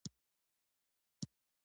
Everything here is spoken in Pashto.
هلته د فرد ټاکنه رول نه لري.